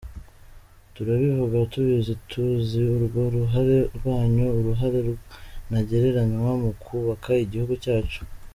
Turabivuga tubizi, tuzi urwo ruhare rwanyu, uruhare ntagereranywa mu kubaka igihugu cyacu.